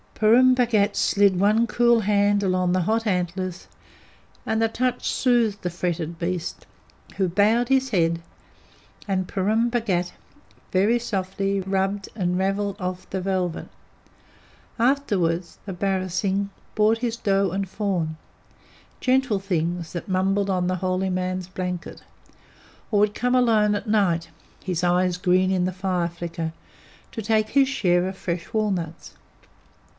Purun Bhagat slid one cool hand along the hot antlers, and the touch soothed the fretted beast, who bowed his head, and Purun Bhagat very softly rubbed and ravelled off the velvet. Afterward, the barasingh brought his doe and fawn gentle things that mumbled on the holy man's blanket or would come alone at night, his eyes green in the fire flicker, to take his share of fresh walnuts.